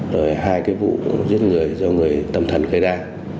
rồi hai cái vụ giết người do người tầm thần khởi đa